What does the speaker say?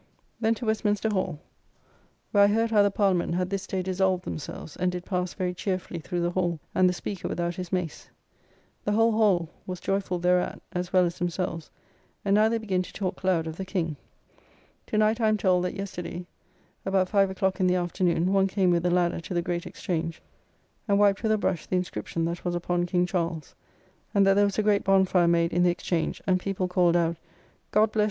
Then to Westminster Hall, where I heard how the Parliament had this day dissolved themselves, and did pass very cheerfully through the Hall, and the Speaker without his mace. The whole Hall was joyful thereat, as well as themselves, and now they begin to talk loud of the King. To night I am told, that yesterday, about five o'clock in the afternoon, one came with a ladder to the Great Exchange, and wiped with a brush the inscription that was upon King Charles, and that there was a great bonfire made in the Exchange, and people called out "God bless.